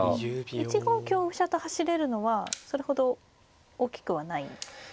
１五香車と走れるのはそれほど大きくはないんですね。